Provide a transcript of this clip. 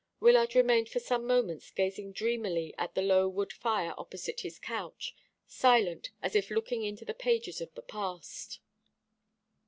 Wyllard remained for some moments gazing dreamily at the low wood fire opposite his couch, silent, as if looking into the pages of the past.